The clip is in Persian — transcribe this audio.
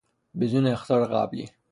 بدون اخطار قبلی